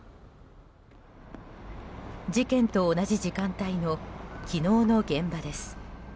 事件と同じ時間帯の昨日の現場です。